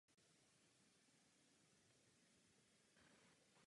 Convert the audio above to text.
To je naprosto šílené!